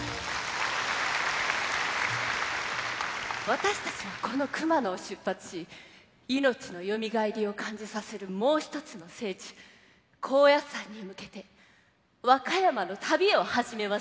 私たちはこの熊野を出発し命のよみがえりを感じさせるもう一つの聖地・高野山に向けて和歌山の旅を始めましょう。